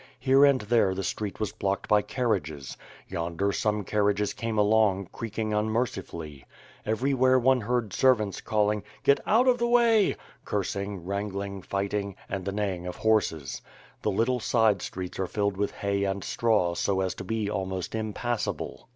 Here and there the street was blocked by carriages. Yonder some carriages came along, creaking unmercifully. Everywhere one heard servants calling "Get out of the way," cursing, wrangling, fighting, and the neighing of horses. The little side streets are filled with hay and straw so as to be almost impassable.